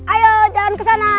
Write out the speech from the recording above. ayo jangan kesana